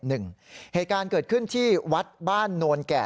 เหตุการณ์เกิดขึ้นที่วัดบ้านโนนแก่